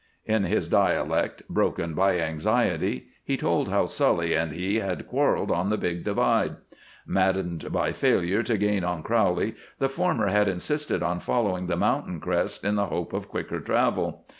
In his dialect, broken by anxiety, he told how Sully and he had quarreled on the big divide. Maddened by failure to gain on Crowley, the former had insisted on following the mountain crests in the hope of quicker travel.